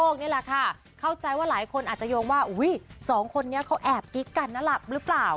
นี่แหละค่ะเข้าใจว่าหลายคนอาจจะโยงว่าอุ้ยสองคนนี้เขาแอบกิ๊กกันนะหลับหรือเปล่า